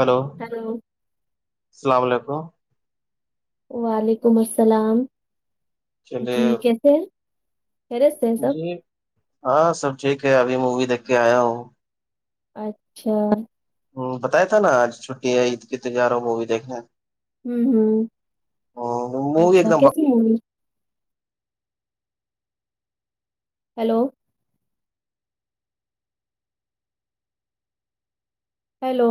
hello hello السلام علیکم وعلیکم السلام چلیے جی کیسے ہیں خیریت سے ہیں سب جی ہاں سب ٹھیک ہے ابھی مووی دیکھ کے آیا ہوں اچھا ہ بتایا تھا نا آج چھٹی ہے عید کی تجار ہو مووی دیکھنے ہوں ہوں ہوں، مووی اچھا ایک دم کیسی بک- امی hello hello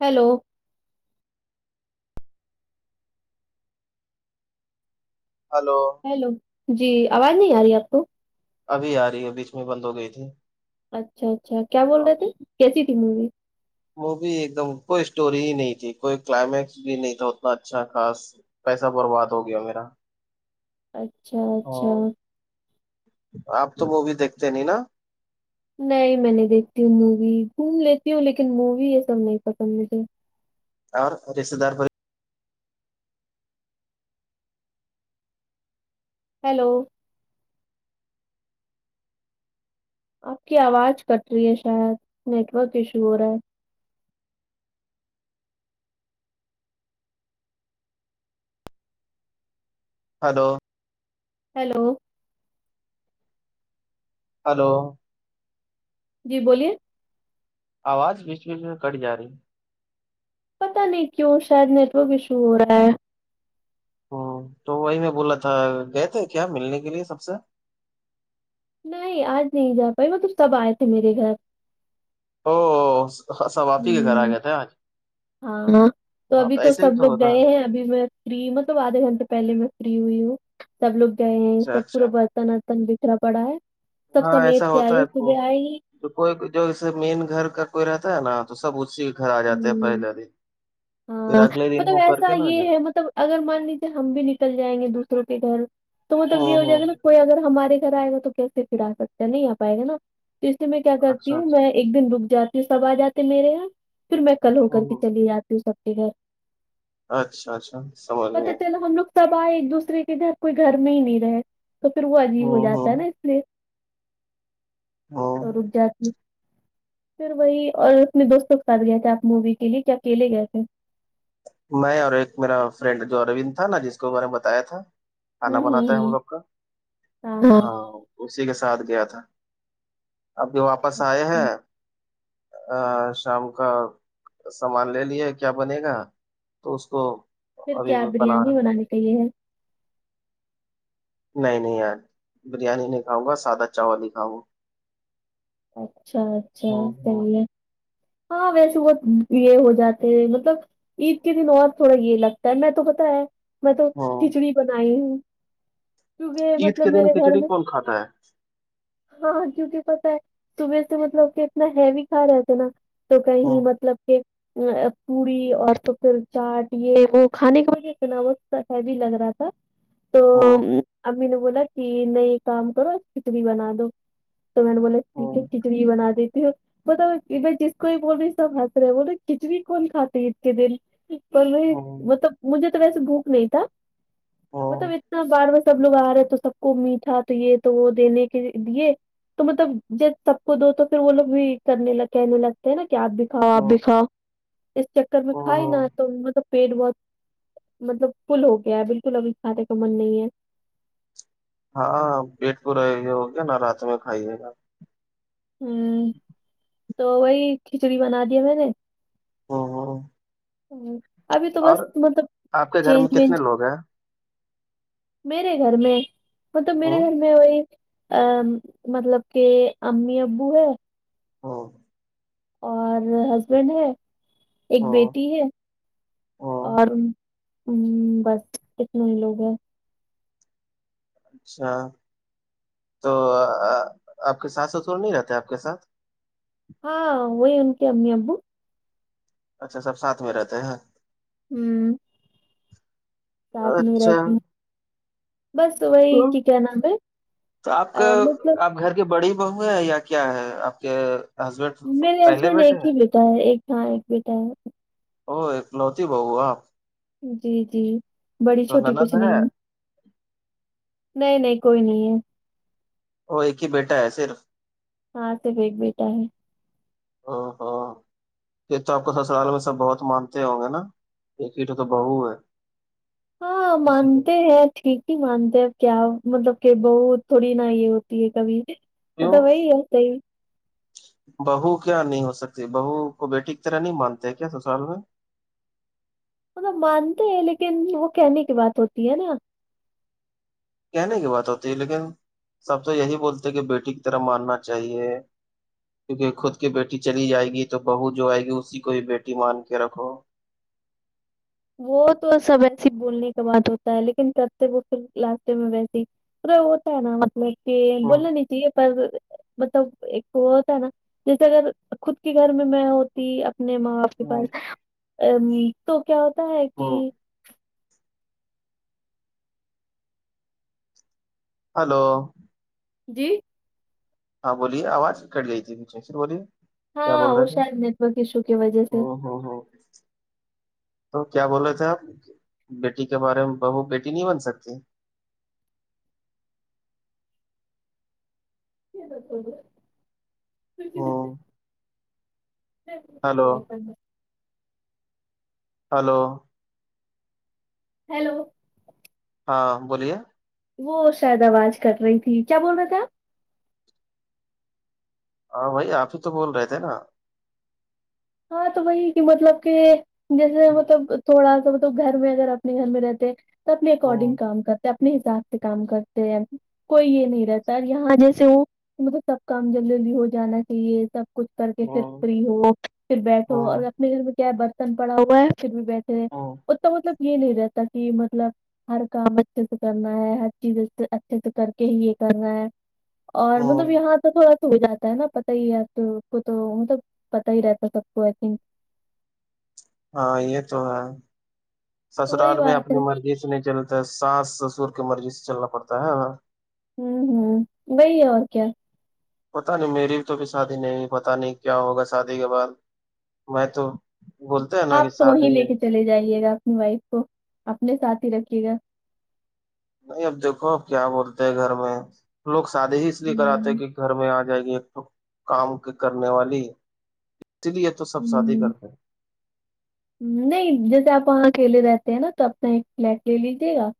hello hello hello جی آواز نہیں آ رہی ہے آپ کو ابھی آ رہی ہے بیج میں بند ہو گئی تھی اچھا اچھا کیا بول رہے تھے کیسی تھی مووی مووی ایک دم کوئی اسٹوری ہی نہیں تھی کوئی کلائمیکس بھی نہیں تھا اتنا اچھا خاص پیسہ برباد ہو گیا میرا اچھا اچھا ہوں، آپ تو مووی دیکھتے نہیں نا نہیں میں نہیں دیکھتی ہوں مووی گھوم لیتی ہوں لیکن مووی یہ سب نہیں پسند مجھے اور رشتے دار ہیلو آپ کی آواز کٹ رہی ہے شاید نیٹورک ایشو ہو رہا ہے ہلو ہیلو ہلو جی بولیے آواز بیچ بیچ میں کٹ جا رہی ہے پتا نہیں کیوں شاید نیٹ ورک ایشو ہو رہا ہے ہوں تو وہی میں بولا تھا گئے تھے کیا ملنے کے لیے سب سے نہیں آج نہیں جا پائی وہ تو سب آئے تھے میرے گھر او س ہوں ہاں تو وہاں ابھی پہ تو ایسے ہی سب لوگ ہوتا گئے ہے ہیں ابھی میں فری مطلب آدھے گنٹے پہلے میں فری ہوئی ہوں سب لوگ گئے ہیں اچھا سب پورا اچھا برتن ورتن بکھرا پڑا ہے سب سمیٹ کے آئی صبح آئی ہی تو کوئی جوے مین گھر کا کوئی رہتا ہے نا تو سب اسی گھر آ جاتے ہیں ہوں پہلے دن پھر ہاں اگلے دن مطلب ہو کر ایسا کے نا یہ جاے ہے مطلب اگر مان لیجیے ہم بھی نکل جائیں گے دوسروں کے گھر تو مطلب یہ ہوں ہو جائے گا ہوں نا کوئی اگر ہمارے گھر آئے گا تو کیسے پھر اسکتا نہیں آ پائے گا نا تو اس لیے میں کیا کرتی اچھا ہوں اچھا میں ایک دن رک جاتی ہوں سب آ جاتے میرے یہاں پھر میں کل ہو کر ہوں کے ہوں چلی جاتی ہوں سب کے گھر اچھا اچھا سمجھ پتا گیا چلا ہم لوگ سب آئے ایک دوسرے کے گھر کوئی گھر میں ہی نہیں رہے تو پھر وہ عجیب ہو ہوں جاتا ہے ہوں نا اس لیے ہوں رک جاتی پھر وہی اور اپنے دوستوں کو [unintelligible] مووی کے لیے کیا اکیلے گئے تھے میں اور ایک میرا فرینڈ جو اروند تھا نا جس کو میں نے بتایا تھا کھانا ہوں ہوں بناتا ہے ہم ہوں لوگ کا ہاں اسی کے ساتھ گیا تھا اب بھی واپس آئے اچھا ہیں ا شام کا سامان لے لیے کیا بنے گا تو اس کو پھر ابھی کیا میں بنا بریانی رہا بنانے کا یہے ہے نہیں نہیں یار بریانی نہیں کھاؤں گا سادہ چاول ہی کھاؤں گا اچھا اچھا چیے ہوں ہوں طبیعت ہاں ویسے وہ یہ یہ ہو جاتے ہیں مطلب عید کے دن اور تھوڑا یہ لگتا ہے میں تو پتا ہے میں تو ہوں کھچڑی بنائی ہوں کیونکہ عید مطلب کے دن میرے گھر کھچڑی میں کون کھاتا ہے ہاں کیونکہ پتا ہے صبح سے مطلب کہ کتنا ہیوی کھا رہے تھ نا تو کہیں ہوں مطلب کہ پوری اور تو پھر چاٹ یہ وہ کھانے کے [unintelligible] ہیوی لگ رہا تھا تو ہوں امی نے بولا کہ نئے کام کرو کھچڑی بنا دو تو میں نے بولا ہے ہوں کھچڑی بنا دیتی ہوں [unintelligible] کوئی بولے سب ہنس رہے بول رے کھچڑی کون کھاتی عید کے دن پر میں ہوں مطلب مجھے تو ویسے بھوک نہیں تھا ہوں مطلب اتنا بار سب لوگ آ رہے تو سب کو میٹھا تو یہ تو وہ دینے کے دیے تو مطلب ج سب کو دو تو پھر وہ لوگ بھی کرنے لگے منت کہ آپ بھی کھاؤ آپ ہوں بھی کھاؤ اس چکر میں کھائی نا ہوں تو مطلب پیٹ بہت مطلب فل ہو گیا بالکل ابھی کھانے کا من نہیں ہے ہاں پیٹ پورا یہ ہو گیا نا رات میں کھائیے گا ہوں تو وہی کھچڑی بنادیا میں نے ہوں ہوں ہ ابھی تو بس اور مطلب آپ کے گھر چینج میں وینج کتنے لوگ ہیں میرے گھر میں مطلب میرے ہوں گھر میں وہی ا مطلب کہ امی ابو ہے ہاں اور ہسبینڈ ہے ایک ہوں بیٹی ہے ہوں اور ہ بس اتنے ہی لوگ ہیں اچھا تو آپ کے ساس سسور نہیں رہتے آپ کے ساتھ ہاں وہی ان کے امی ابو اچھا سب سات میں رہتے ہیں ہ ساتھ میں اچھا رہتی ہ بس وہی تو کہ کیا نام ہے تو آپ کا آ مطلب آپ گھر کی بڑی بہو ہے یا کیا ہے آپ کے ہسبینڈ میرے پہلے ہسبینڈ بیٹے ایک ہیں ہی بیٹا ہے ایک ہاں ایک بیٹا ہے ا ایک لوتی بہو آپ جی جی بڑی تو چھوٹی نند کچھ ہے نہیں ہو نہیں نہیں کوئی نہیں ہے وہ ایک ہی بیٹا ہے صرف ہاں تو ایک بیٹا ہے ہ ہاں ایک تو آپ کو سسرال میں سب بہت مانتے ہوں گے نا ایک ہی تو بہو ہے ہاں کسی کو مانتے ہیں ٹھیک نہیں مانتے ہیں کیا مطلب کہ بہت تھوڑی نا یہ ہوتی ہے کبھی کیوں مطلب وہی ہے صحیح بہو کیا نہیں ہو سکتی بہو کو بیٹی کی طرح نہیں مانتے ہیں کیا سسال میں ملب مانتے ہیں لیکن وہ کہنے کی بات ہوتی ہے نا کہنے کی بات ہوتی ہے لیکن سب تو یہی بولتے کہ بیٹی کی طرح ماننا چاہیے کیونکہ خود کی بیٹی چلی جائے گی تو بہو جو آئے گی اسی کو ہی بیٹی مان کے رکھو وہ تو سب ایسے بولنے کا بات ہوتا ہے لیکن کرتے وہ پھر لاستے میں ویس ہی پورا ہوتا ہے نا مطلب کہ بولنا نہیں چاہیے پر مطلب ایک وہ ہوتا ہے نا جیسے اگر خود کے گھر میں میں ہوتی اپنے ماں آپ کے ہوں پاس ا تو کیا ہوتا ہے وہ کہ ہلو جی ہاں بولیے آواز کٹ گئی بیچ میں پر بولیے کیا ہاں وہ شاید نیٹورک ایشو کی و جہ سے ہاں ہاں تو کیا بولے تھے آپ بیٹی کے بارے میں بہو بیٹی نہیں بن سکتی ہوں، [unintelligible] ہلو ہلو ہیلو ہاں بولیے وہ شاید آواز کٹ رہی تھی کیا بول رہے تھے آپ ہاں بھائی آپ ہی تو بول رہے تھے نا ہاں تو وہی کہ مطلب کہ جیسے ہوں مطلب تھوڑا سا مطلب گھر میں اگر اپنے گھر میں رہتے ہیں تو اپنے اکارڈنگ ہوں کام کرتے اپنے حساب سے کام کرتے ہیں کوئی یے نہیں رہتا یہاں جیسے ہو مطلب سب کام جلدی جلدی ہو جانا چاہیے سب کچھ کر کے پھر ہوں فری ہو پھر بیٹھو اور ہوں اپنے گھر میں کیا ہے برتن پڑا ہوا ہے پھر بھی بیٹھ تے ہے ہوں اسکا مطلب یے نہیں رہتا کی مطلب ہر کام اچھے سے کرنا ہے ہر چیز اچھے سے کر کے ہی یے کرنا ہے اور مطلب ہوں یہاں پے تھوڑا ہو جاتا ہے نا پتا ہی آپ کو تو مطلب پتا ہی رہتا ہے سب کو آئی تھنک ہاں یے تو ہے تو وہی سسرال میں بات ہے اپنی مرضی سے نہیں چلتے ساس سسر کے مرضی سے چلنا پڑتا ہے ہمم ہمم وہی اور کیا پتہ نہیں میری بھی تو بھی شادی نہیں پتا نہیں کیا ہوگا شادی کے بعد میں تو بولتے ہیں نا آپ کہ تو وہیں شادی لے کے چلے جائیے گا اپنی وائف کو اپنے ساتھ ہی رکھئے گا نہیں اب دیکھو اب کیا بولتے ہیں گھر میں لوگ شادی ہی اس لیے کراتے ہوں کی گھر میں آکے جائے گی ایک تو کام کے کرنے والی اسی لیے تو سب شادی ہوں کرتے ہیں نہیں جیسے آپ وہاں اکیلے رہتے ہیں نا تو اپنا ایک فلیٹ لے لیجے گا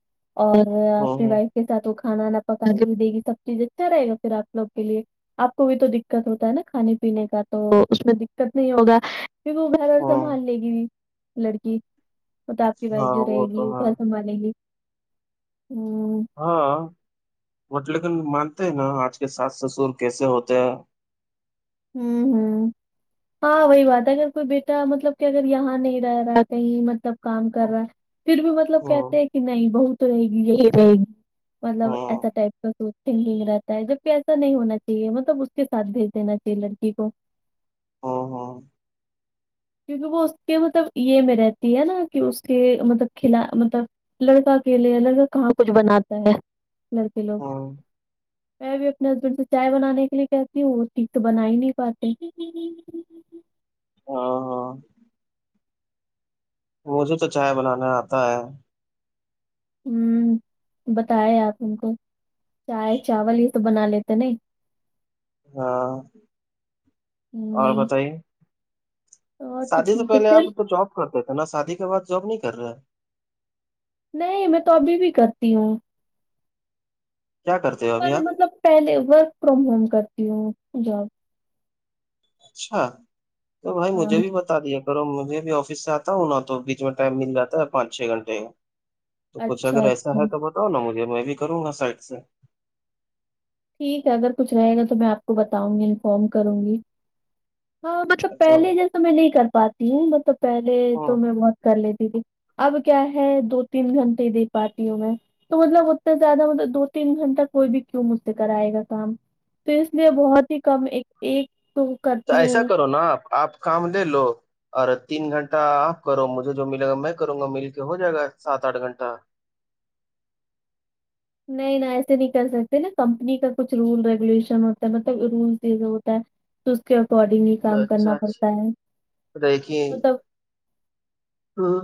اور اپنی ہ وائف کے ساتھ وہ کھانا نہ پکا کے بھی دے گی سب چیز اچھا رہے گا پھر آپ لوگ کے لیے آپ کو بھی تو دقت ہوتا ہے نا کھانے پینے کا تو اس میں دقت نہیں ہوگا پھر وہ گھر اور ہ سنبھال لے گی لڑکی اور تو آپ کی وائف ہاں جو رہے وہ تو گی ہے گھر سنبھال لے گی ہمم ہاں وو جو لیکن مانتے ہیں نا آج کے ساس سسر کیسے ہوتے ہیں آمم ہمم ہاں وہی بات ہے اگر کوئی بیٹا مطلب کہ اگر یہاں نہیں رہ رہا ہے کہیں مطلب کام ہاں کر رہا ہے پھر بھی مطلب ہاں کہتے ہیں کی نہیں بہت رہے گی یہی رہے گی مطلب ایسا ہاں ٹائپ کا سوچ تھنکنگ رہتا ہے جب کی ایسا نہیں ہونا چاہیے مطلب اس کے ساتھ بھیج دین چاہیے لڑکی کو او ہو کیونکی وہ اس کے مطلب یے میں رہتی ہے نا کی اس کے مطلب کھلا مطلب رہتا اکیلے ہے لڑکا کہاں کچھ بناتا ہے لڑکے لوگ ہاں میں بھی اپنے ہسبینڈ سے چائے بنانے کے لیے کہتی ہوں وہ ٹھیک سے بنا ہی نہیں پاتے آ ہاں مجھے تو چائے بنانے آتا ہے ہمم بتائے آپ ہم کو چائے چاول یے تو بنا لیتے نئی ہاں اور ہ بتائیے اور تو شادی سے ٹھیک ہے پہلے پھر آپ تو جاب کرتے تھے نا شادی کے بعد جاب نہیں کر رہے نہیں میں تو ابھی بھی کرتی ہوں کیا کرتے ہو ابھی پر آپ مطلب پہلے ورک فرام ہوم کرتی ہوں جاب اچھا تو بھائی ہاں مجھے بھی بتا دیا مجھے بھی آفس سے آتا ہوں نا تو بیچ میں ٹائم مل جاتا ہے پانچ چھ گھنٹے تو کچھ اچھا اگر ایسا اچھا ہے تو بتاؤ نا مجھے میں بھی کروں گا سائڈ سے ٹھیک ہے اگر کچھ رہے گا تو میں آپ کو بتاؤں گی انفارم کروں گی ہاں مطلب اچھا پہلے جیسا میں نہیں کر پاتی ہوں مطلب پہلے ہاں تو میں بہت کر لیتی تھی اب کیا ہے دو تین گھنٹے دے پاتی ہوں میں تو مطلب اتنا زیادہ مطلب دو تین گھنٹہ کوئی بھی کیوں مس سے کرائے گا کام تو اس لیے بہت ہی کم ایک ایک تو تو کرتی ایسا ہوں کرو نا آپ آپ کام لے لو ارے تین گھنٹہ آپ کرو مجھے جو ملے گا میں کروں گا مل کے ہو جائے گا سات آٹھ گھنٹہ نہیں نہ ایسے نہیں کر سکتے نا کمپنی کا کچھ رول ریگولیشن ہوتا ہے مطلب رولز ہوتا ہے تو اس کے اکارڈنگ ہی اچھا کام کرنا اچھا پڑتا اچھا ہے دیکھیے مطلب ہاں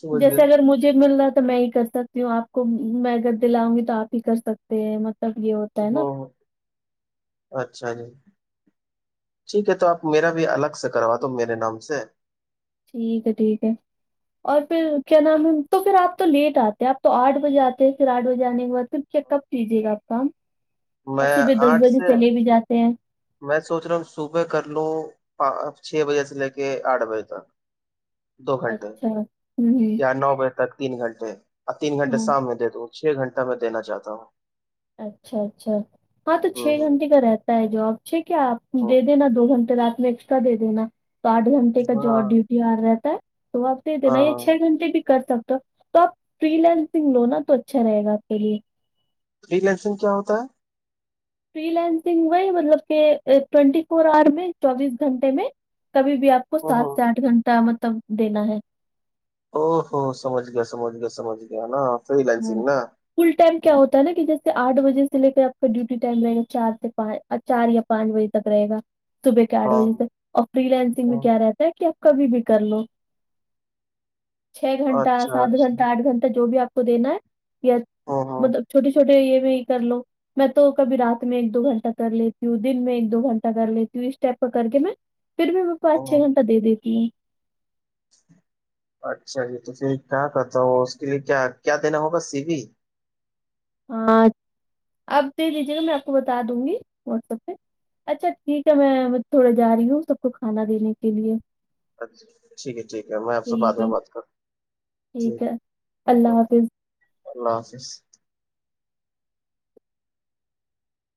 سمجھ گیا جیسے اگر مجھے مل رہا ہے تو میں ہی کرسک سکتی ہوں آپ کو میں گھر پے لا ؤ نگی تو آپ ہی کر سکتے ہیں مطلب یہ ہوتا ہے ہ نا اچھا جی ٹھیک ہے تو آپ میرا بھی الگ سے کروا دو میرے نام سے ٹھیک ہے ٹھیک ہے اور پھر کیا نام ہے تو پھر آپ تو لیٹ آتے ہیں آپ تو آٹھ بجے آتے ہیں پھر آٹھ بجے آنے کے بعد پھر چیک اپ کیجیے گا آپ کام اور میں صبح دس آٹھ بجے سے چلے بھی جاتے ہیں میں سوچ رہا ہوں صبح کر لوں چھ بجے سے لے کے آٹھ بجے تک دو گھنٹے اچھا ہوں ہوں یا نو بجے تک تین گھنٹے اور تین گھنٹے ہاں شام میں دے چھ گھنٹہ میں دینا چاہتا ہوں اچھا اچھا ہاں تو چھ ہ گھنٹے کا رہتا ہے جو آپ ٹھیک ہے آپ ہ دے دینا دو گھنٹے رات میں ایکسٹرا دے دینا تو آٹھ گھنٹے کا جو ہاں ڈی تیوار رہتا ہے تو آپ د دین یا ہاں چھ گھنٹے بھی کر سکتے ہو تو آپ فری لینسنگ لوناا تو اچھا رہے گا آپ کے لیے فری لینسنگ کیا ہوتا ہے فری لینسنگ ہوا مطلب کہ ٹوینٹی فور آور میں چوبیس گھنٹے میں کبھی بھی آپ کو ہ ہ سات سے آٹھ گھنٹہ مطلب دینا ہے او ہو سمجھ گیا سمجھ گیا سمجھ گیا نا فری ہے لینسنگ نا فل ٹائم کیا ہوتا ہے نا کہ جیسے آٹ بجے سے لے کر آ کا ڈیوٹی ٹائم رہے گا چار سے پانچ چار یا پانچ بجے تک رہے گا صبح کے آٹھ ہاں بجے سے اور فری لینسنگ میں ہاں، کیا رہتا ہے کہ آپ کبھی بھی کر لو چھ گھنٹہ اچھا سات اچھا گھنٹہ آٹھ گھنٹہ جو بھی آپ کو دینا ہے یا ہ ہ مطلب چھوٹے چھوٹے یہ بھی کر لو میں تو کبھی رات میں ایک دو گھنٹہ کر لیتی ہوں دن میں ایک دو گھنٹہ کر لیتی ہوں اسٹیپ کو کر کے میں پھر میں کو پانچ چھ ہ گھنٹہ دے دیتی ہوں اچھا جی تو پھر کہ کرتا ہو اس کے لیے کیا کیا دینا ہوگا سی وی ہاں آپ دے لیجیے گا میں آپ کو بتا دوں گی واٹسپ پہ اچھا ٹھیک ہے میں تھوڑے جا رہی ہوں سب کو کھانا دینے کے لیے ا ٹھیک ہے ٹھیک ہے میں آپ سے بعد ٹھیک میں ہے بات کر ہوں ٹھیک ہے اللہ حافظ اللہ حافظ